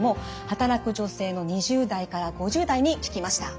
働く女性の２０代から５０代に聞きました。